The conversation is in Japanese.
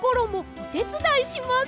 おてつだいします。